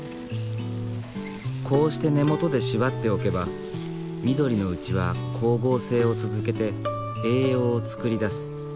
こうして根元で縛っておけば緑のうちは光合成を続けて栄養を作り出す。